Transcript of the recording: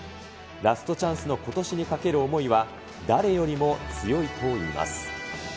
ラストチャンスのことしにかける思いは、誰よりも強いといいます。